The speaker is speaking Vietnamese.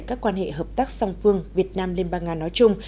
các quan hệ hợp tác song phương việt nam liên bang nga nói chung